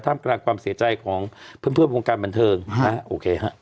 ท่านก็ทหารก็ความเสียใจของเพื่อนเพื่อนพุงการบันเทิงฮ่ะโอเคครับ